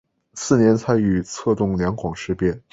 次年参与策动两广事变。